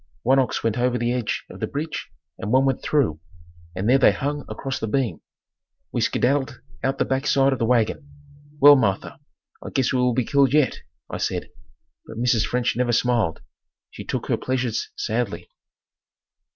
One ox went over the edge of the bridge and one went through, and there they hung across the beam. We skedaddled out the backside of the wagon. "Well, Martha, I guess we will be killed yet," I said. But Mrs. French never smiled. She took her pleasures sadly.